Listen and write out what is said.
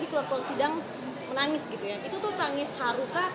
itu tuh tangis haru kah